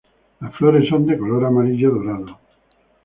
Las flores son de color amarillo dorado.